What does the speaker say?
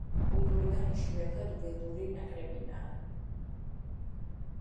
კულტურიდან, იშვიათად ველური ნაკრებიდან.